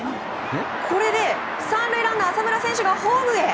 これで３塁ランナー浅村選手がホームへ！